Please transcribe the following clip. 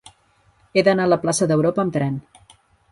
He d'anar a la plaça d'Europa amb tren.